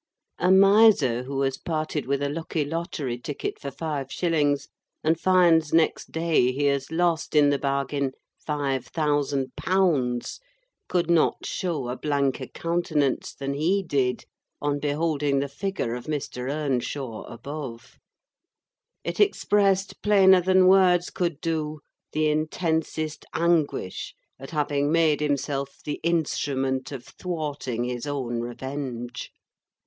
A miser who has parted with a lucky lottery ticket for five shillings, and finds next day he has lost in the bargain five thousand pounds, could not show a blanker countenance than he did on beholding the figure of Mr. Earnshaw above. It expressed, plainer than words could do, the intensest anguish at having made himself the instrument of thwarting his own revenge.